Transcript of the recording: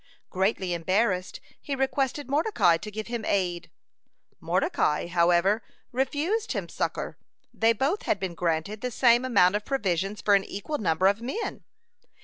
Greatly embarrassed, he requested Mordecai to give him aid. Mordecai, however, refused him succor; they both had been granted the same amount of provisions for an equal number of men.